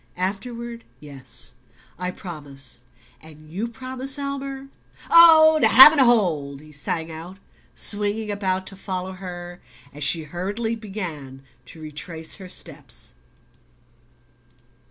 "Afterward yes. I promise. And YOU promise, Elmer?" "Oh, to have and to hold!" he sang out, swinging about to follow her as she hurriedly began to retrace her steps.